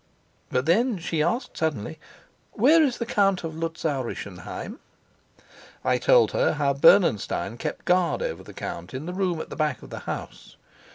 But then she asked suddenly, "Where is the Count of Luzau Rischenheim?" I told her how Bernenstein kept guard over the count in the room at the back of the house.